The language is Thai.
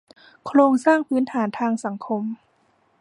โครงสร้างพื้นฐานทางสังคม